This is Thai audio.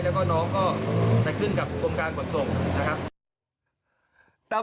แล้วก็น้องก็ไปขึ้นกับกรมการขนส่งนะครับ